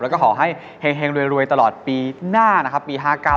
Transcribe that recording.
แล้วก็ขอให้เฮ็งรวยตลอดปีหน้าปีหาขาว